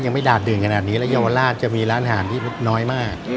ดาดดื่นขนาดนี้แล้วเยาวราชจะมีร้านอาหารที่น้อยมาก